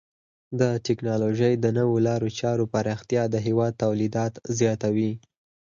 د ټکنالوژۍ د نوو لارو چارو پراختیا د هیواد تولیداتو زیاتوي.